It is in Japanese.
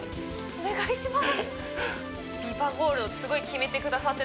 お願いします！